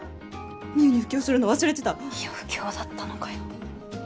美結に布教するの忘れてたいや布教だったのかよ